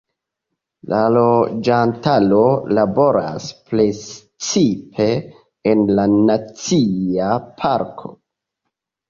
La loĝantaro laboras precipe en la nacia parko.